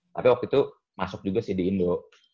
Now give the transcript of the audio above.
tapi waktu itu masuk juga sih di indo